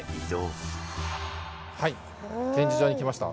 はい展示場に来ました。